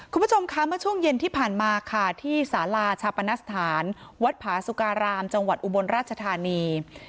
คุณผู้ชมคะเมื่อช่วงเย็นที่ผ่านมาค่ะที่สาลาชาปนสถานวัดผาสุการามจังหวัดอุบลราชธานี